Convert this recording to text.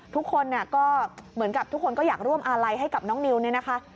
ทุกคนก็เหมือนกับทุกคนก็อยากร่วมอาลัยให้กับน้องนิวเนี่ยนะคะ